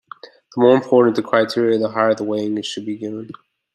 The more important the criteria the higher the weighting it should be given.